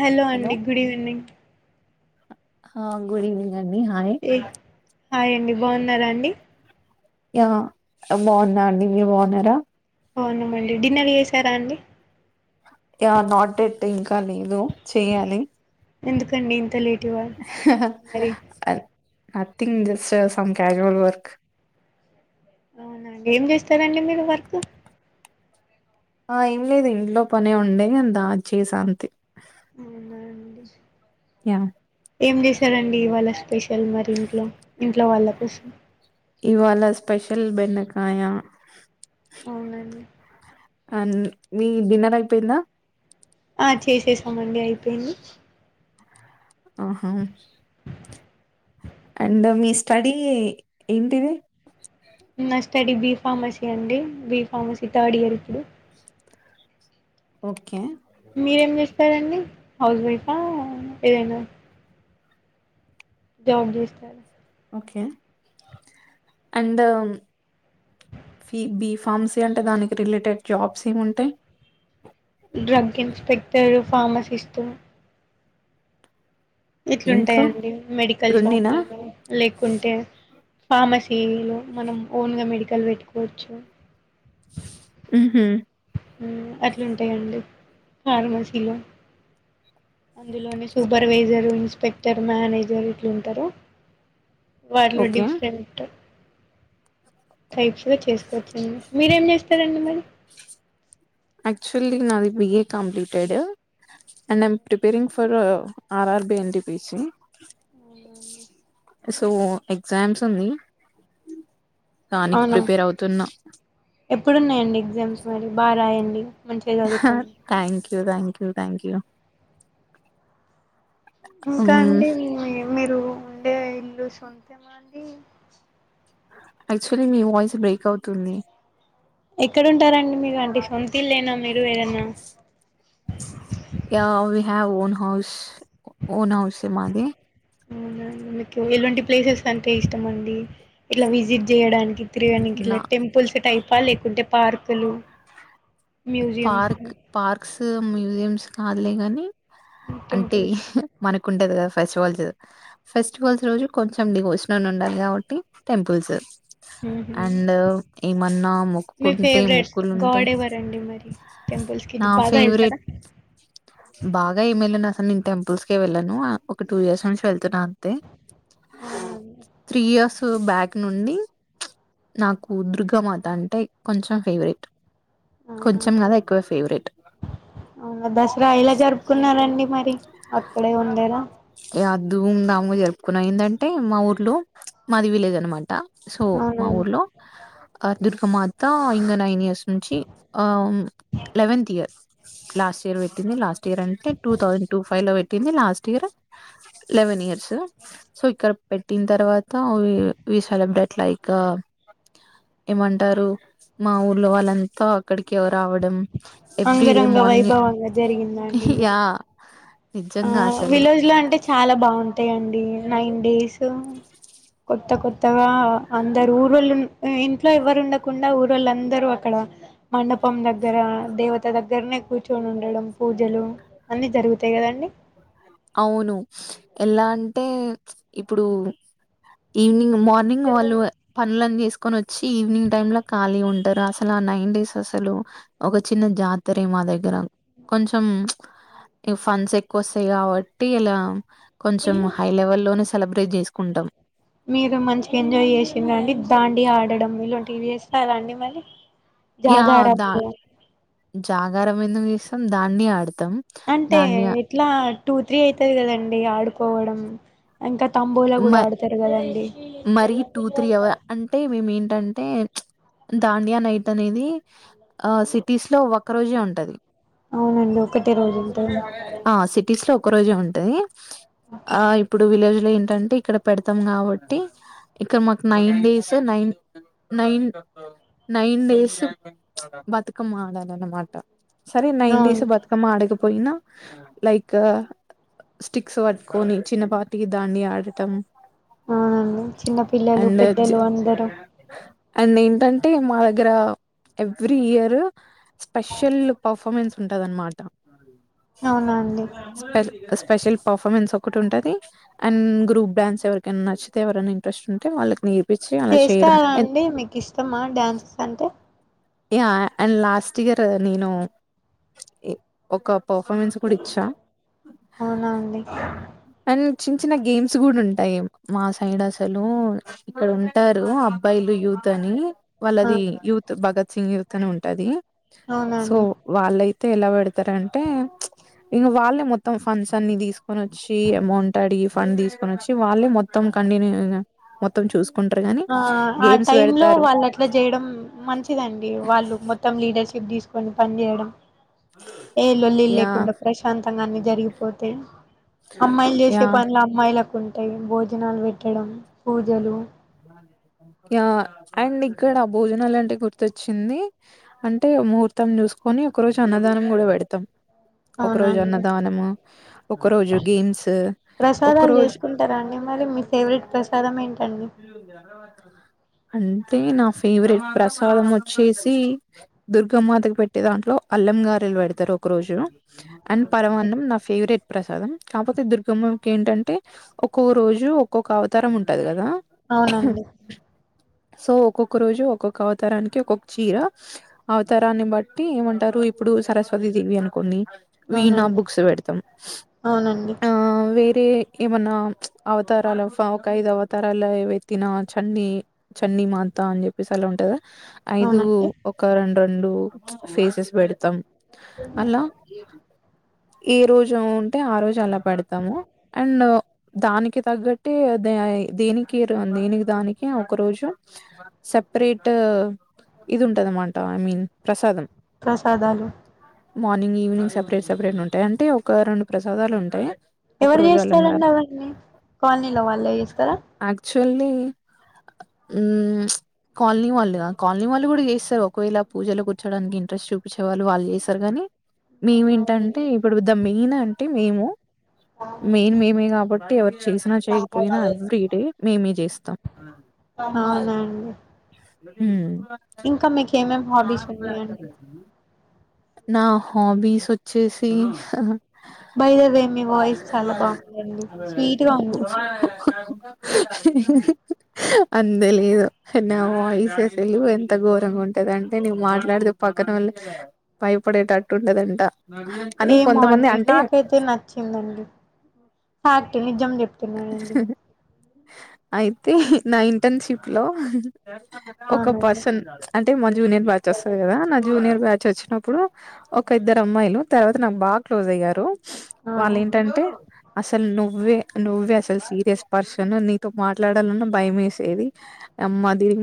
Hello అండి good evening హా good evening అండి హాయ్ ఏ హాయ్ అండి బాగున్నారా అండి ఆ బాగున్నా అండి మీరు బాగున్నారా బావునమండి డిన్నర్ చేసారా అండి నాట్ ఎట్ ఇంకా లేదు చెయాలి ఎందుకండి ఇంత late nothing just some casual work అవునండి ఏం చేస్తారండి మీరు వర్క్ ఆ ఏం లేదు అండి ఇంట్లో పనే ఉండే నని దా చేసా అంతే అవునా అండి యా ఏం చేశారండి ఇవాళ్ళ స్పెషల్ మరి ఇంట్లో ఇంట్లో వాళ్ళ షం ఇవాళ స్పెషల్ బెండకాయ అవునండి అనీ మీది డిన్నర్ అయిపోయిందా ఆ చేసేసనామండి అయిపోయింది ఓహో అండ్ మీ స్టడీ ఏంటిది నా స్టడీ బి ఫార్మసీ అండి బి ఫార్మసీ థర్డ్ ఇయర్ ఇప్పుడు ఓకే మీరేం చేస్తారండి హౌస్ వైఫా ఏదైనా జాబ్ చేస్తరా ఓకే అండ్ ఫీ బి ఫార్మసీ అంటే దానికి రిలేటెడ్ జాబ్స్ ఏమంటాయి డ్రగ్ ఇన్స్పెక్టరు ఫార్మసిస్ట్ ఇంకా ఇట్లుంటాయండి మెడికల్ రెండేనా షాపులలో లేకుంటే ఫార్మసీలో మనం ఓన్గా మెడికల్ పెట్టుకోవచ్చు ఆహ అట్లాంటాయండి ఫార్మసీలో అందులోనే సూపర్వైజరు ఇన్స్పెక్టర్ మేనేజర్ ఇట్లుంటారు వాళ్లో ఓకే. డిఫరెంట్ టైప్స్ గా చేసుకోవచ్చండి మీరేం చేస్తారండి మరి ఆక్చువల్లీ నా అది BA completed and I'm preparing for RRB NPC ఆ సో ఎగ్జామ్స్ ఉంది దనికి అవునా ప్రిపేర్ అవుతున్నా ఎప్పుడున్నాయండి ఎగ్జామ్స్ మరి బాగా రాయండి మంచిగా చదువుకోండి ూ థ్యాంక్ యూ థ్యాంక్ యూ ఇంకా హ్మ్. అండి మీరు ఉండే ఇల్లు సొంతేమాండి యాక్చువలీ మీ వాయిస్ బ్రేక్ అవుతుంది ఎక్కడుంటారండి మీరు అంటే సొంతి లేనా మీరు ఏదన్నా యావి హ ఓన్ హౌసే ఓన్ హౌసే మాది అవునాం మీకు ఎలాంటి ప్లేసెస్ అంటే ఇష్టం అండి ఇట్లా విజిట్ చేయడానికి తిరగడానికి నా ఇలా టెంపుల్స్ టైపా లే కొంటే పార్కులు మ్యూజియమ్స్ పార్క్ పార్క్స్ మ్యూజియమ్స్ కాదులే ని అంటే టెంపుల్స్ మనకుంటది కదా ఫెస్టివల్స్ ఫెస్టివల్స్ రోజు కొంచెం డివషన్ ఉండాలి కాబట్టి టెంపుల్స్ ఉహు అండ్ ఏమన్నా మీ మొక్కుకుంటే ఫేవరెట్ మొక్కులు ఉంటే గాడ్ ఎవరండి మరి టెంపుల్స్ కి నా బాగా ఫేవరెట్ వెళ్తారా బాగా ఈ మేళ న నేను టెంపుల్స్కే వెళ్ను ఒక టూ ఇయర్స్ నుంచి వెళ్తను అంతే అవునా అండి త్రీ ఇయర్స్ బ్యాక్ నుండి నాకు దుర్గామాత అంటే కొంచెం ఫేవరెట్ అవునా కొంచెం అండి కదా ఎక్కువే ఫేవరెట్ అవునా దసరా ఇలా జరుపుకున్నారండి మరి అక్కడే ఉండేలా దధూమ్ దాముగా జరుపుకున్నా ఏంటంటే మా ఊర్లో మాది విలేజ్ అనమాట సో మా అవునండి ఊర్లో ఆ దుర్గా మాత ఇంకా నైన్ ఇయర్స్ నుంచి ఆ లెవెంత్ ఇయర్ లాస్ట్ ఇయర్ వెతుంది లా ఇయర్ అంటే టూ థౌజండ్ టూ ఫైవ్ లో పెట్టింది last year eleven years so ఇక్కడ పెట్టిన తర్వాత సెలబ్రేట్ లైక్ ఏమంటారు మా ఊర్లో వాళ్ళంత [unintelligible] ఆవడం ఎవరి డే అంగరంగ మార్నింగ్ వైభవంగా జరిగిందా అండి మరి ఆ నిజంగా అసలు విలేజ్ లో అంటే చాలా బాగుంటాయిండి నైన్ డేస్ కొత్త కొత్తగా అందరు ఊరు వాళ్ళు ఇంట్లో ఎవరు ఉండకుండా ఊర్ వాళ్ళు అందరూ అక్కడ మండపం దగ్గర దేవత దగ్గరనే కూర్చని ఉండడం పూజలు అన్నీ జరుగుతాయి కదండి అవును ఎలా అంటే ఇప్పుడు ఈవినింగ్ మార్నింగ్ వాళ్ళు పనులని చేసుకొని వచ్చి ఈవినింగ్ టైమ్ లో ఖాళీ ఉం అంటారు అసలు ఆ నైన్ డేస్ అసలు ఒక చిన్న జాతరే మా దగ్గర కొంచెం ఫండ్స్ ఎక్కువ వస్తాయి కాబ బట్టి ఇలా కొంచెం హై లెవెల్ లోనే సెలబ్రేట్ చేసుకుంటాం మీరు మంచిగా ఎంజాయ్ చేసిందండి దాండి ఆడడం ఇలాంటివి చేస్తారాండి మళ్ళీ యా ద జాగారం ఎందుకు చేస్తాం దాండియా అంటే ఎట్లా టూ త్రీ అయితది కదండి ఆడుకోవడం ఇంకా తంబోలా కూడా ఆడతారు కదండి మరి టూ త్రీ అవర్ అంటే మేము ఏంటంటే దాండియా నైట్ అనేది ఆ సిటీస్ లో ఒకక్క రోజే ఉంటది అవునండి ఒకటే రోజు ఉంటది ఆ సిటీ స్ట ఒకక్క రోజే ఉంటది ఆ ఇప్పుడు విలేజ్ లో ఏంటంటే ఇక్కడ పెడతాం కాబట్టి ఇక్కడ మాకు nine days nine nine nine days బతుకమ్ ఆడాల అనమాట సరే నైన్ డస్ అవును బతుకమ్మ ఆడకపోయినా లైక్ స్టిక్స్ పట్టుకొని చిన్నపాటికి దాన్ని ఆడటం అవునండి చిన్నపిిల్లలు అండ్ పెద్దలు అందరూ అండ్ ఏంటంటే మా దగ్గర ఎవ్రీ ఇయర్ స్పెషల్ పర్ఫార్మెన్స్ ఉంటద అన్నమాట అవునా అండి స్ప స్పెషల్ పర్ఫార్మెన్స్ ఒకటి ఉంటుంది అండ్ గ్రూప్ డ్యాన్స్ ఎవరికైనా నచ్చితే ఎవరైనా ఇంట్రెస్ట్ ఉంటే వాళ్ళకి న చేస్తారా అండి మీకు ఇష్టమా డ్యాన్సెస్ అంటే యా అండ్ లాస్ట్ ఇయర్ నేను ఒక పర్ఫార్మెన్స్ కూడా ఇచ్చా అవునా అండి అండ్ చిన్న చిన్న గేమ్స్ కూడా ఉంటాయి మా సైడ్ అసలు ఇక్కడ ఉంటారు అబ్బాయిలు యూ అతని ఆ వాళ్ళది యూత్ భగత్ సింగ్ యూత్ అని ఉంటది సో అవునండి వాళ్ళై ఎలా పెడతారంటే ఇంక వాళ్ళే మొత్తం ఫండ్స్ అన్ని తీసుకొని వచ్చి అమౌంట్ అడి ఫండ్ తీసుకొని వచ్చి వాళ్ళే మొత్తం కంటిన్యూ మొత్తం చూసు ఆ ఆ టైమ్ లో వాళ్ళు అట్లా చేయడం మంచిదండి వాళ్ళు మొత్తం లీడర్షిప్ తీసుకొని పని చేేయడం ఏ లొల్లిల్ యా లేకుండా ప్రశాంతంగానే జరిగిపోతే అమ్మాయిలు యా చేసే పనులు అమ్మాయిలకు ఉంటాయి భోజనాలు పెట్టడం పూజలు అ ఆ అండ్ ఇక్కడ భోజనాలుంటివి గుర్తొచ్చింది అంటే ముహూర్తం చూసుకో కానీ ఒక రోజు అన్నదానం కూడా పెడతాం ఒక రోజు అవునండి అన్నదానము ఒక రోజు గేమ్స్ ఒక ప్రసాదాలు రోజు చేసుకుంటారా అండి మరి మీ ఫేవరెట్ ప్రసాదం ఏంటి ఇ అరవాత అంటే నా ఫేవరెట్ ప్రసాదం వచ్చేసి దుర్గామాతకు పెట్టే దాంట్లో అలా ల్ల గ పెడత రోజు అండ్ పరం అవునండి నా ఫేవరెట్ ప్రసాం కాకపోతే దుర్ మక ఏంటంటే ఒక్కొక్క రోజు ఒక్కొక్క అవతారం ఉంటది కదా అవునండి సో ఒక్కొక్క రోజు ఒక్కొక్క అవతారానికి ఒక్కొక్క చీర అవతారాన్ని బట్టి ఏమంటారు ఇప్పుడు అ అవునండి అవునండి వ వ అంటే ఏమన్నా అవతారాలు ఒక ఐదు అవతార అలావ ఎత్తిన చన్న చన్న మాంత అని చెప్పేసి అలా ఉంటదా ఐదు అవునండి ఒక రెండు రెండు ఫేసెస్ పెడతాం అలా ఏ రోజు ఉంటే ఆ రోజు అలా పెడతాము అండ్ దానికి తగ్గట్టి అదే దేనికి దేనికి దానికి ఒక రోజు సపరేట్ ఇది ఉంటద అమాట ఐ మీన్ ప్రసాదం ప్రసాదాలు మార్నింగ్ ఈవినింగ్ సపరేట్ సపరేట్ ఉంటాయి అంటే ఒక రెండు ప్రసాదాలు ఉంటాయి ఒక ఎవరు రోజు చేస్తారండి అలంగారు అవన్నని కాలనీలో వాళ్ళే చేస్తారా చిలి హా ఉ కాలనీ వాళ్ళు కాలనీ వాళ్ళు కూడా చేస్తారు ఒకవేళ పూజలో కూర్చోడానికి ఇంట్రెస్ట్ చూపించేవాళ్ళు వాళ్ళు చేశారుగాని మేముేంటంటే ఇప్పుడు వద్దా మెయిన్ అంటే మేము మెయిన్ అవును. మేమే కాబట్టి ఎవరు చేసినా చేయకపోయినా ఎవ్రీ డే మేమే జేస్తాం. అవునండి ఊ ఇంకా మీకు ఏమేం హాబీస్ ఉన్నాయండి నా హాబీస్ వచ్చేసి బై ద వే మీ వాయిస్ చాలా [unintelligible] బాగుందండి స్వీట్ గా ఉంది అంతే లేదు నా వాయిస్ అసలు ఎంత ఘోరంగా ఉంటది అంటే నీవు మాట్లాడతే పక్క వల్ భయపడేటట్టు ఉండదంట ఏమో అండి నాకైతే నచ్చిందండి ఫ్యాక్ట్ నిజం చెప్తున్నానండి అయితే నా ఇంటర్న్షిప్ లో ఒక అవునండి పర్సన్ అంటే మా జూనియర్ బ్యాచ్ వస్తుంది కదా నా జూనియర్ బ్యాచ్ వచ్చినప్పుడు ఒక ఇద్దరు అమ్మాయిలు తర్వాత నాకు బాగా క్లోజ్ అయ్యారు వాళ్ళు అవును ఏంటంటే అసలు నువ్వే నువ్వే అసలు సీరియస్ పర్సన్ నీతో మాట్లాడాలన్నా భయం వేసేది అమ్మా దీనికి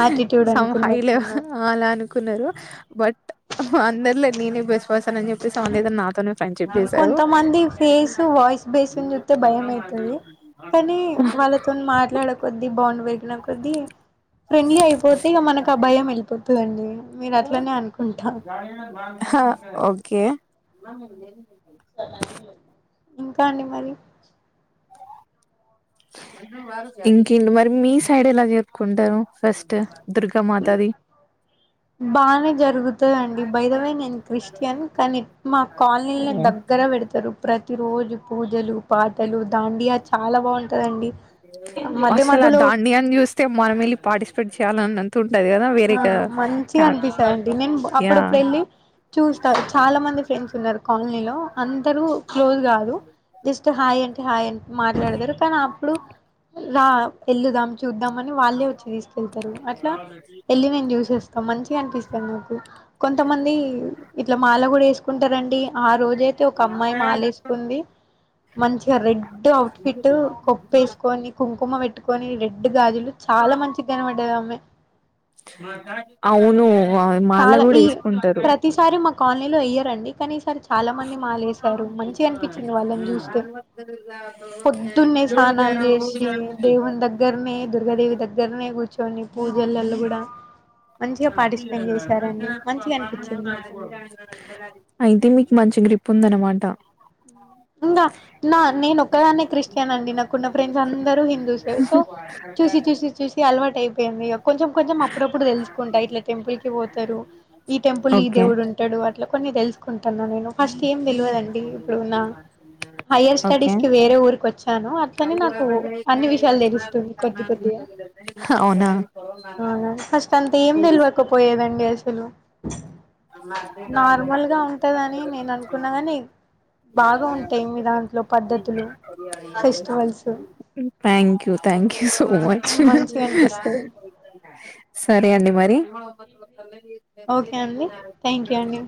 యాటిట్యూడ్ సంహయిలే అనుకున్నట్టున్నారు అలాను న్నారు బట్ అందరిలో నేనే బెస్ వసాన అని చెప్పేసి అద నాతో కొంతమంది ఫేస్ వాయిస్ బేసిని చూస్తే భయం అవుతుంది కానీ వాళ్ళతో మాట్లాడ కొద్దీ బా ం పెరిగిన కొద్దీ ఫ్రెండ్లీ అయిపోతే ఇక మనకు అ భయం వెళ్ళిపోతుందండి మీరు అట్లనే అనుకో హ ఓకే ఇంకా అండి మరి ఇంక మరి మీ సైడ్ ఎలా జరుకుంటారు ఫస్ట్ దుర్గా మాతాది బానే జరుగుతందిండి బై దా వె నేను క్రిస్టియన్ కానీ మా కాలనీ దగ్గర పెడతారు ప్రతి రోజు పూజలు పాటలు దాండియా చాలా బాగుంటదండి మధ్య అసలు ఆ మధ్యలో దాన్నియాన్ని చూస్తే మనం వెళ్ళి పార్టిసిపేట్ చేయాలిన్నంత ఆ మంచిగా అనిపిస్తానుండి నేను యా అప్పుడప్పుడు వెళ్ళి చూస్తా చాలా మంది ఫ్రెండ్స్ ఉన్నారు కాలనీలో అందరు క్లోజ్ కాదు జస్ట్ హాయ్ అంటే హాయ్ అ మాట్లాడతారు కానీ అప్పుడు రా ఎల్ళదాం చూద్దాం అని వాళ్ళే వచ్చి తీసుకెళ్తారు అట్లా మంచి కనిపిస్తది మాకు కొంది ఇలా మాల కూడా వేకుంట అదైతే ఒక అమ్మాయి మాలేసుకుంది మంచిగా రెడ్ అవుట్ఫిట్ కొప్పు వేసుకొని కుం కుమ్మ పెట్టుకొని రెడ్ గాజులు చాలా మంచి కన పడ్డద అమ్మె అవును మాల చాలా కూడా ఈ వేసుకుంటారు ప్రతిసారి మా కాలనీలో వెయ్యారంండి కానీసారి చాలా మంది మాాలేశారు మంచి అనిపించింది వాళ్ళని చూస్తే పొద్దున్నే స్నానాలు చేసి దేవు దగ్గరనే దుర్గాదేవి దగ్గరనే కూర్చొని పూజలలో కూడా మంచిగా పాటిస్త అయితే మీకు మంచి గ్రిప్ పొందనమాట హ ఇంకా నా నేను ఒక్కదాన్న క్రిస్టియన్ అండి నాకున్న ఫ్రెండ్స్ అందరుూ హిందూసే సో చూసి చూసి చూ అలవాటు అయిపోయింది ఇక కొెం కొంచెం అప్పుడప్పుడు తెలుసుకు ఇట్లా టెంపుల్ కి పోతారు ఈ టెంపుల్ ఈ ఓకే దేవుడు ఉంటాడు అట్లా కొన్ని తెలుసుకుంటాను నేను ఫస్ట్ తెలుండి ఇప్పుడు నా హైయర్ స్టడీస్ కి వేరే ఊరి వచ్చా అట్లనే నాకు కొని విషయాలు తెలుస్తుంది కొద్ది కొద్దిగా అవునా అనా ఫస్ట్ అంత ఏం టెల్కపోయేదండి అసలు నార్మల్ గా ఉంటదని మ నేను [unintelligible] టైం దాంట్లో పద్ధతులు festivals thank you thank you so much మంచిగా అనిపిస్తది సరే అండి మరి ఓకే థ్యాంక్ యూ అండి